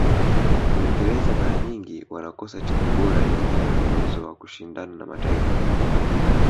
uingereza mara nyingi wanakosa timu bora yenyewe uwezo wa kushindana na mataifa mengine